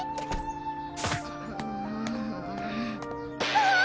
ああ！